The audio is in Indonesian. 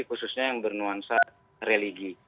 khususnya yang bernuansa religi